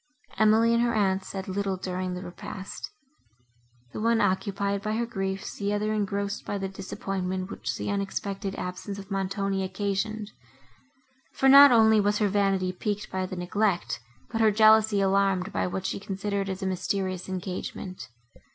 Emily and her aunt said little during the repast; the one occupied by her griefs, the other engrossed by the disappointment, which the unexpected absence of Montoni occasioned; for not only was her vanity piqued by the neglect, but her jealousy alarmed by what she considered as a mysterious engagement.